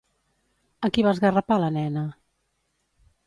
A qui va esgarrapar la nena?